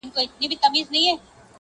زړه مي ورېږدېدی~